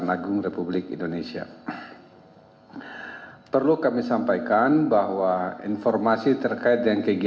saya pikir ini adalah pertanyaan yang paling penting